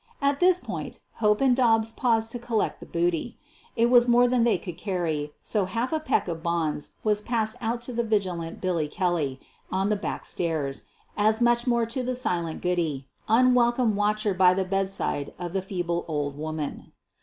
At this point Hope and Dobbs paused to collect the booty. It was more than they could carry, so half a peck of bonds was passed out to the vigilant Billy Kelly on the back stairs, as much more to the silent Goodey, unwelcome watcher by the bedside of the feeble old woman.